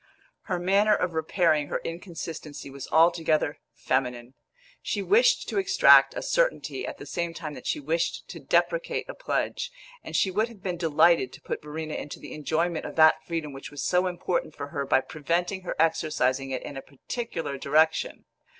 Her manner of repairing her inconsistency was altogether feminine: she wished to extract a certainty at the same time that she wished to deprecate a pledge, and she would have been delighted to put Verena into the enjoyment of that freedom which was so important for her by preventing her exercising it in a particular direction.